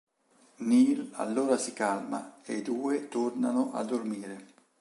Neal allora si calma e i due tornano a dormire.